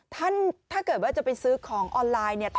ถ้าเกิดว่าจะไปซื้อของออนไลน์เนี่ย